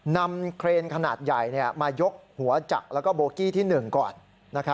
เครนขนาดใหญ่มายกหัวจักรแล้วก็โบกี้ที่๑ก่อน